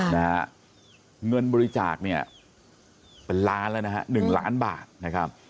นะฮะเงินบริจาคเนี่ยเป็นล้านแล้วนะฮะหนึ่งล้านบาทนะครับ